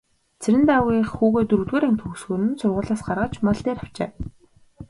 Цэрэндагвынх хүүгээ дөрөвдүгээр анги төгсөхөөр нь сургуулиас гаргаж мал дээр авчээ.